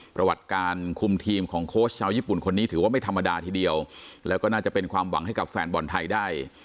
ประวัติการคุมทีมของโค้ชชาวญี่ปุ่นคนนี้ถือว่าไม่ธรรมดาทีเดียวแล้วก็น่าจะเป็นความหวังให้กับแฟนบอลไทยได้